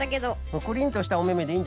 クリンとしたおめめでいいんじゃないの？